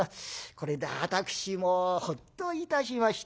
これで私もほっといたしました」。